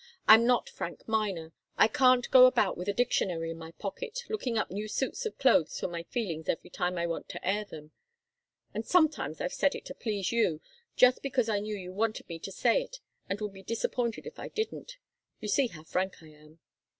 I'm not Frank Miner. I can't go about with a dictionary in my pocket, looking up new suits of clothes for my feelings every time I want to air them. And sometimes I've said it to please you, just because I knew you wanted me to say it and would be disappointed if I didn't. You see how frank I am."